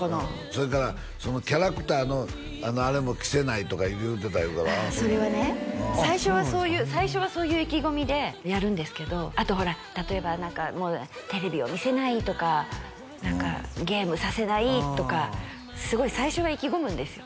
それからキャラクターのあれも着せないとか言うてたいうからああそれはね最初はそういう意気込みでやるんですけどあとほら例えば何かテレビを見せないとか何かゲームさせないとかすごい最初は意気込むんですよ